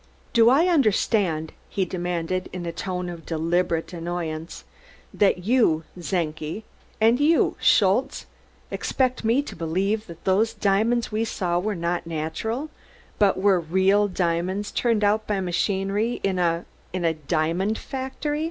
"Do I understand," he demanded in a tone of deliberate annoyance, "that you, Czenki, and you, Schultze, expect me to believe that those diamonds we saw were not natural, but were real diamonds turned out by machinery in a in a diamond factory?